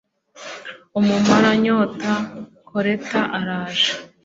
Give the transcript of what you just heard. umumaranyota koleta araje